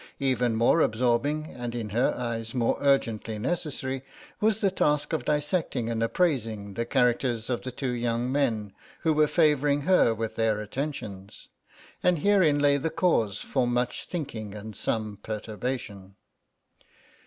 Even more absorbing, and in her eyes, more urgently necessary, was the task of dissecting and appraising the characters of the two young men who were favouring her with their attentions. And herein lay cause for much thinking and some perturbation.